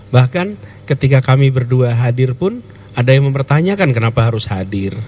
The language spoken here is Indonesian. bahkan ketika kami berdua hadir pun ada yang mempertanyakan kenapa harus hadir